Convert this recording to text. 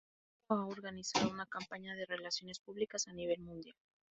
El grupo ha organizado una campaña de relaciones públicas a nivel mundial.